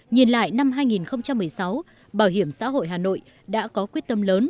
nhìn lại năm hai nghìn một mươi sáu bảo hiểm xã hội hà nội đã có quyết tâm lớn